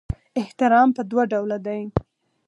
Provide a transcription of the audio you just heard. احترام په دوه ډوله دی.